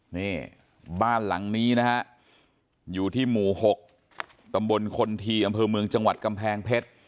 นี่บ้านหลังนี้นะฮะอยู่ที่หมู่๖ตำบลคนทีอำเภอเมืองจังหวัดกำแพงเพชร